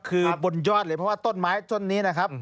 คือบนยอดเลยเพราะว่าต้นไม้ต้นนี้นะครับ